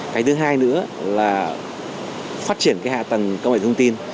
cái thứ hai nữa là phát triển cái hạ tầng công nghệ thông tin